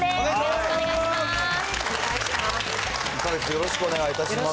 よろしくお願いします。